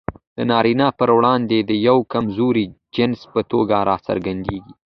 د نارينه پر وړاندې د يوه کمزوري جنس په توګه راڅرګندېږي.